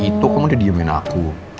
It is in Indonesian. itu kamu udah diemin aku